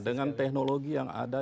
dengan teknologi yang ada